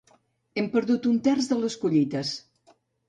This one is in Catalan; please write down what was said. Hem perdut un terç de les collites.